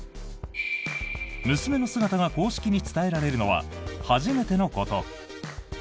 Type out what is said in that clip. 娘の姿が公式に伝えられるのは初めてのこと。